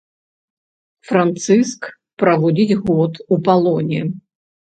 Францыск праводзіць год у палоне.